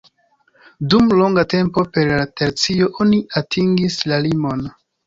Dum longa tempo per la tercio oni atingis la limon.